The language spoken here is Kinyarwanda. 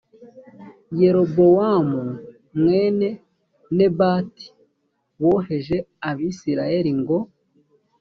yerobowamu mwene nebati woheje abisirayeli ngo